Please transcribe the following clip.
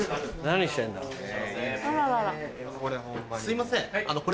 すいません。